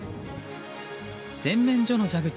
洗面所の蛇口